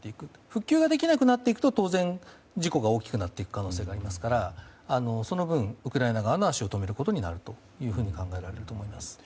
復旧できなくなっていくと当然、事故が大きくなっていく可能性がありますからその分、ウクライナ側の足を止めることになると考えられると思います。